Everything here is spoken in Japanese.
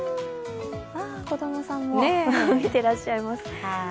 子供さんも見ていらっしゃいます。